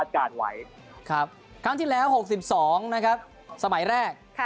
ครั้งที่แล้ว๖๒นะครับสมัยแรก